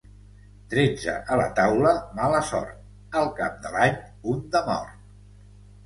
Tretze a la taula, mala sort; al cap de l'any, un de mort.